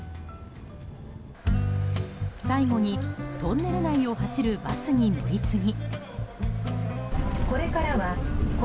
最後にトンネル内を走るバスに乗り継ぎ。